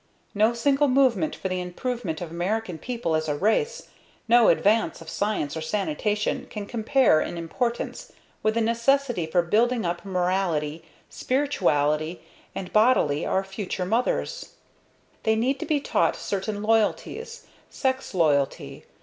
No single movement for the improvement of American people as a race, no advance of science or sanitation, can compare in importance with the necessity for building up morally, spiritually and bodily, our future mothers. They need to be taught certain loyalties, sex loyalty.